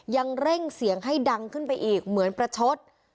ยังเร่งเสียงให้ดังขึ้นไปอีกเหมือนประชด